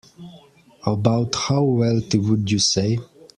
About how wealthy would you say?